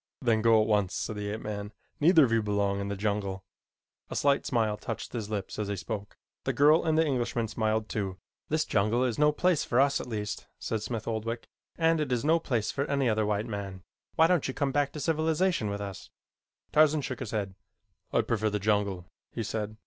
"Then go at once," said the ape man. "Neither of you belong in the jungle." A slight smile touched his lips as he spoke. The girl and the Englishman smiled too. "This jungle is no place for us at least," said Smith Oldwick, "and it is no place for any other white man. Why don't you come back to civilization with us?" Tarzan shook his head. "I prefer the jungle," he said.